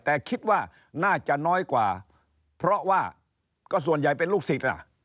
แต่คิดว่าน่าจะน้อยกว่าเพราะว่าก็ส่วนใหญ่เป็นลูกศิษย์ล่ะ